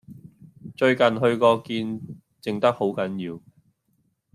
最近去過見靜得好緊要